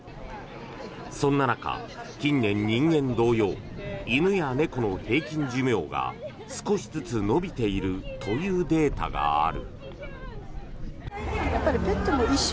そんな中、近年人間同様、犬や猫の平均寿命が少しずつ延びているというデータがある。